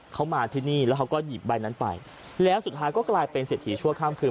เขามาที่นี่แล้วเขาก็หยิบใบนั้นไปแล้วสุดท้ายก็กลายเป็นเศรษฐีชั่วข้ามคืน